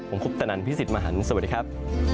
ผมคุปตนันพี่สิทธิ์มหันฯสวัสดีครับ